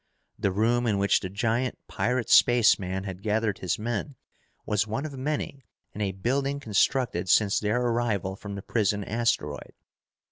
The room in which the giant pirate spaceman had gathered his men was one of many in a building constructed since their arrival from the prison asteroid.